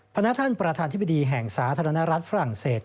พันธนทรประธานทฤษฎีแห่งสาธารณรัฐฝรั่งเศส